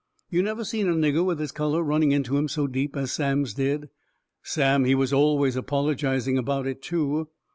You never seen a nigger with his colour running into him so deep as Sam's did. Sam, he was always apologizing about it, too.